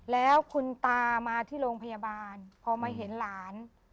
แล้วคุณตามาที่โรงพยาบาลพอมาเห็นหลาน